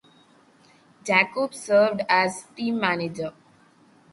Jacobs served as team manager.